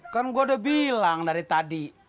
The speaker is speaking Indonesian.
kan gue udah bilang dari tadi